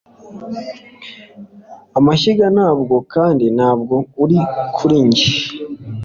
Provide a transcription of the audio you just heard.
Amashyiga ntabwo kandi ntabwo uri kuri njye